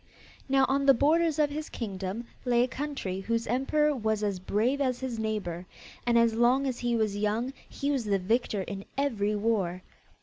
Now on the borders of his kingdom lay a country whose emperor was as brave as his neighbour, and as long as he was young he was the victor in every war.